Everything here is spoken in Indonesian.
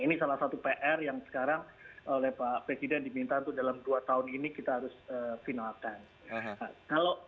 ini salah satu pr yang sekarang oleh pak presiden diminta untuk dalam dua tahun ini kita harus finalkan